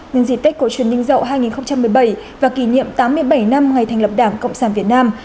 nhân dịp tết cổ truyền ninh dậu hai nghìn một mươi bảy và kỷ niệm tám mươi bảy năm ngày thành lập đảng cộng sản việt nam